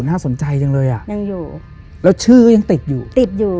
น่าสนใจจังเลยอ่ะยังอยู่แล้วชื่อก็ยังติดอยู่ติดอยู่